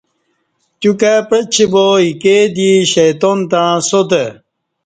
تیو کائی پعچی با ایکے دی شیطان تݩع ساتہ